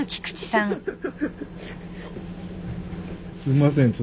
すいません。